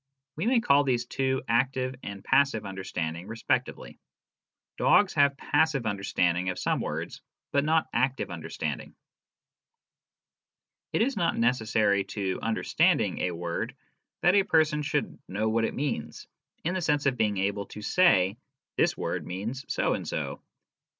We may call these two active and passive understanding respectively. Dogs often have passive under standing of some words, but not active understanding. It is not necessary to " understanding " a word that a person should " know what it means," in the sense of being able to say " this word means so and so."